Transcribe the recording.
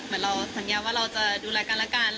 เหมือนเราสัญญาว่าเราจะดูแลกันแล้วกัน